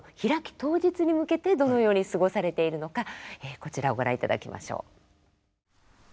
当日に向けてどのように過ごされているのかこちらをご覧いただきましょう。